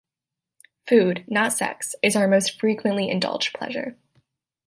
Food, not sex, is our most frequently indulged pleasure.